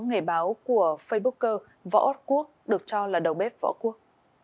nghề báo của facebooker võ quốc được cho là đầu bếp võ quốc